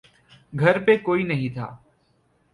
گھر پے کوئی نہیں تھا۔